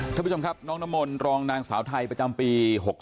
ท่านผู้ชมครับน้องน้ำมนต์รองนางสาวไทยประจำปี๖๒